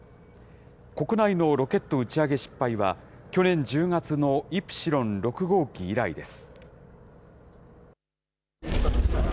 国内のロケット打ち上げ失敗は、去年１０月のイプシロン６号機以来です。